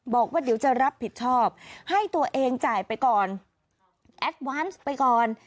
บอกว่าเดี๋ยวจะรับผิดชอบให้ตัวเองจ่ายไปก่อนแอดวานซ์ไปก่อน